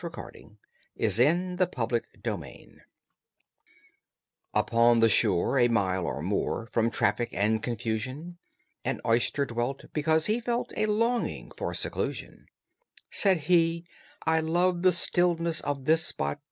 THE RUDE RAT AND THE UNOSTENTATIOUS OYSTER Upon the shore, a mile or more From traffic and confusion, An oyster dwelt, because he felt A longing for seclusion; Said he: "I love the stillness of This spot.